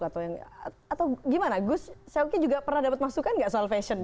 atau gimana gus seoke juga pernah dapat masukan nggak soal fashion